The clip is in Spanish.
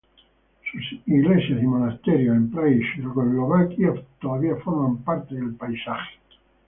Sus iglesias y monasterios en Praga y en Checoslovaquia todavía forman parte del paisaje.